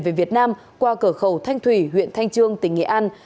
về việt nam qua cửa khẩu thanh thủy huyện thanh trương tỉnh nghệ an